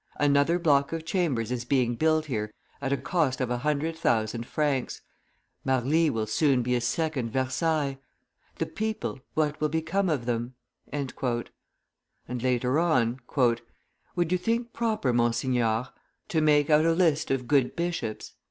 Another block of chambers is being built here at a cost of a hundred thousand francs; Marly will soon be a second Versailles. The people, what will become of them?" And later on: "Would you think proper, monsignor, to make out a list of good bishops?